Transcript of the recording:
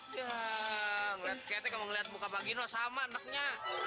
ya ngeliat ketek mau ngeliat muka pak gino sama neknya